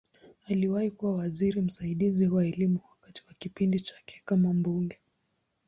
Aliwahi kuwa waziri msaidizi wa Elimu wakati wa kipindi chake kama mbunge.